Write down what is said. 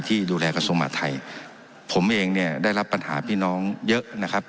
ที่ดูแลกระทรวงมหาทัยผมเองเนี่ยได้รับปัญหาพี่น้องเยอะนะครับ